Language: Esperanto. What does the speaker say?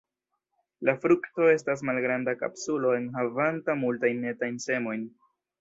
La frukto estas malgranda kapsulo enhavanta multajn etajn semojn.